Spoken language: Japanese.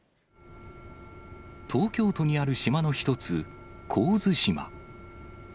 東京都にある島の一つ、神津島。